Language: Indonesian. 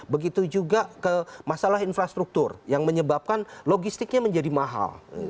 begitu juga ke masalah infrastruktur yang menyebabkan logistiknya menjadi mahal